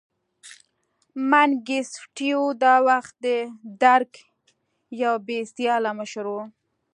منګیسټیو دا وخت د درګ یو بې سیاله مشر و.